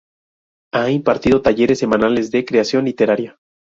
Ha impartido talleres semanales de creación literaria.